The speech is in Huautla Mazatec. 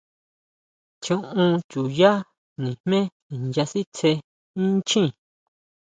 Tjiún chuyá nijmé nya sitsé inchjín.